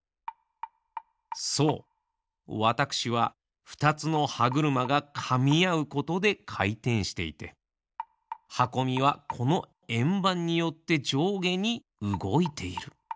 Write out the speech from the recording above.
そうわたくしはふたつの歯車がかみあうことでかいてんしていてはこみはこのえんばんによってじょうげにうごいている。